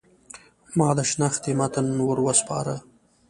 ما د شنختې متن ور وسپاره.